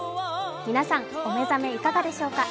皆さん、お目覚めいかがでしょうか。